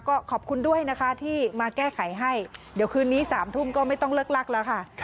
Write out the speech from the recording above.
ก็ขอบคุณด้วยนะคะที่มาแก้ไขให้เดี๋ยวคืนนี้๓ทุ่มก็ไม่ต้องเลิกลักแล้วค่ะ